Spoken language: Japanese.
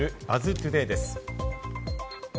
トゥデイです。